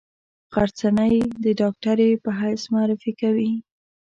غرڅنۍ د ډاکټرې په حیث معرفي کوي.